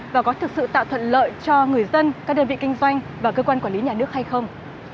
và có thực sự tạo thuận lợi cho người dân các đơn vị kinh doanh và cơ quan quản lý nhà nước hay không